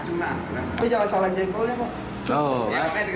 tetapi kembali umhum di seluruh kawasan j tous juga trok berangkat dengan tangkapan desa